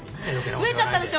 増えちゃったでしょ。